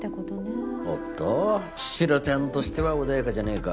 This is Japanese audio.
おっと茅代ちゃんとしては穏やかじゃねえか。